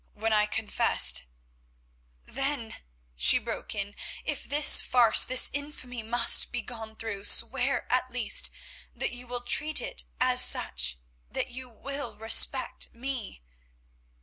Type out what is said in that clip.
When I confessed——" "Then," she broke in, "if this farce, this infamy must be gone through, swear at least that you will treat it as such, that you will respect me."